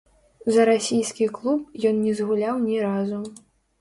За расійскі клуб ён не згуляў ні разу.